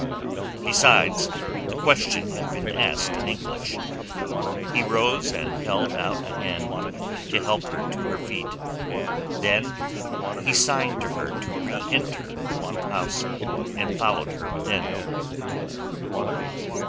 Besides, the question had been asked in English. He rose and held out a hand to help her to her feet. Then he signed to her to reenter the poop house, and followed her within.